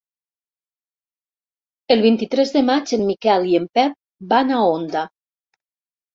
El vint-i-tres de maig en Miquel i en Pep van a Onda.